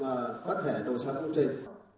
mà có thể đổi sẵn công trình